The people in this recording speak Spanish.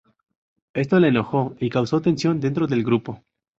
Esto la enojó y causó tensión dentro del grupo.